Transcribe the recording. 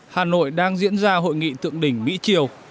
hà nội đang diễn ra hội nghị thượng đỉnh mỹ triều